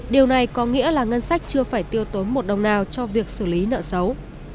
điều này có nghĩa là ngân sách chưa phải tiêu tốn một đồng nào cho việc xử lý nợ xấu